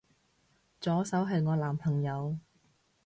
左手係我男朋友